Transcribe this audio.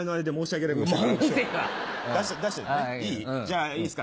じゃあいいですか？